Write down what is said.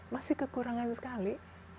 masih kekurangan sekali